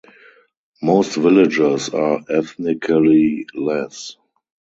Most villagers are ethnically Laz.